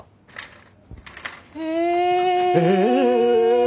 え！